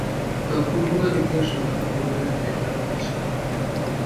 তৎপূর্বকার ইতিহাস সংক্ষেপে বলিয়া রাখিলে কথাটা পরিষ্কার হইবে।